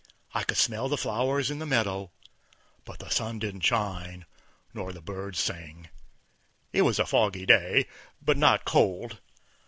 I could smell the flowers in the meadow. But the sun didn't shine, nor the birds sing: it was a foggy day, but not cold.